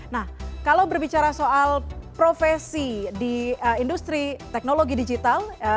nah kalau berbicara soal profesi di industri teknologi digital